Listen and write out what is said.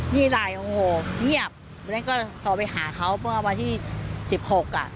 นี่ไลน์โอ้โหเงียบแล้วก็โทรไปหาเขาเมื่อวันที่สิบหกอ่ะ